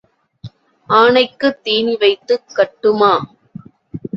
ஆனைக்குத் தீனி வைத்துக் கட்டுமா?